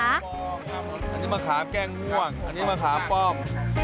อันนี้มะขามแก้งม่วงอันนี้มะขามป้อม